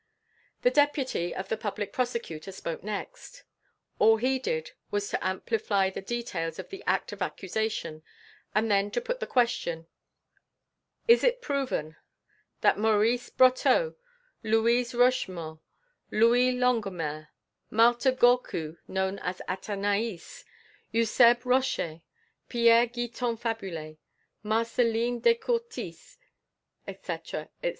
The Deputy of the Public Prosecutor spoke next. All he did was to amplify the details of the act of accusation and then to put the question: "Is it proven that Maurice Brotteaux, Louise Rochemaure, Louis Longuemare, Marthe Gorcut, known as Athenaïs, Eusèbe Rocher, Pierre Guyton Fabulet, Marcelline Descourtis, etc., etc.